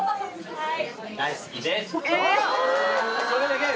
はい。